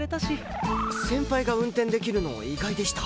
先輩が運転できるの意外でした。